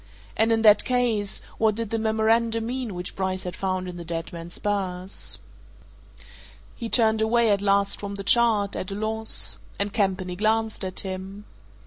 And in that case, what did the memorandum mean which Bryce had found in the dead man's purse? He turned away at last from the chart, at a loss and Campany glanced at him.